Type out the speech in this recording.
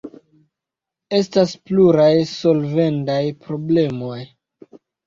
Estas pluraj solvendaj problemoj.